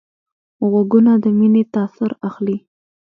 غوږونه د مینې تاثر اخلي